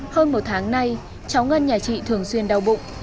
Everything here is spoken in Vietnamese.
hơn một tháng nay cháu ngân nhà chị thường xuyên đau bụng